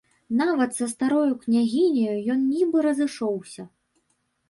Нават са старою княгіняю ён нібы разышоўся.